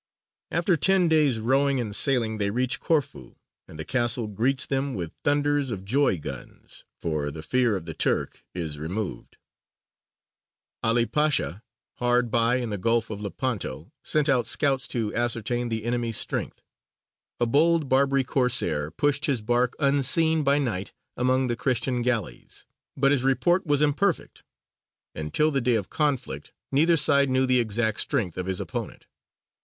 After ten days rowing and sailing they reach Corfu, and the castle greets them with thunders of joy guns, for the fear of the Turk is removed. [Illustration: ARABIC ASTROLABE.] [Illustration: ARABIC ASTROLABE.] 'Ali Pasha, hard by in the Gulf of Lepanto, sent out scouts to ascertain the enemy's strength. A bold Barbary Corsair pushed his bark unseen by night among the Christian galleys, but his report was imperfect, and till the day of conflict neither side knew the exact strength of his opponent.